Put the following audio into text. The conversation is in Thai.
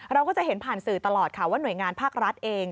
เราก็จะเห็นผ่านสื่อตลอดค่ะว่าหน่วยงานภาครัฐเอง